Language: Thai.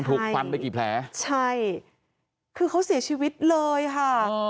ถูกฟันไปกี่แผลใช่คือเขาเสียชีวิตเลยค่ะ